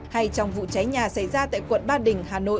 hay trong vụ cháy nhà xảy ra tại quận ba đình hà nội